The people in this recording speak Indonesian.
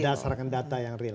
berdasarkan data yang real